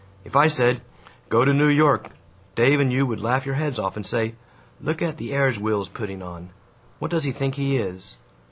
If I said, 'Go to New York,' Dave and you would laugh your heads off and say, 'Look at the airs Will is putting on. What does he think he is?'